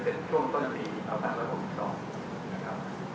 เดี๋ยวอย่างนี้๒ปีก็จะเป็นเจ็บช่วงต้นทีเอาถังวัน๖๒นะครับ